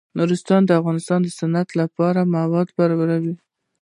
نورستان د افغانستان د صنعت لپاره مواد برابروي.